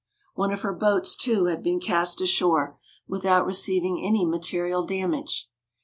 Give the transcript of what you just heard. One of her boats too had been cast ashore, without receiving any material damage.